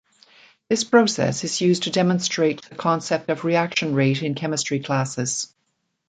This process is used to demonstrate the concept of reaction rate in chemistry classes.